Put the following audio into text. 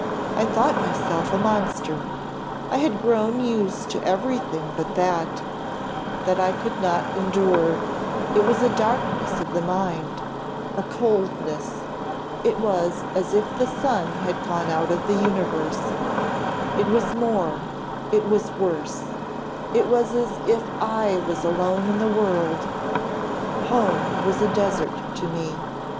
"I thought myself a monster; I had grown use to every thing but that that I could not endure; it was a darkness of the mind a coldness; it was as if the sun had gone out of the universe; it was more it was worse it was as if I was alone in the world. Home was a desert to me.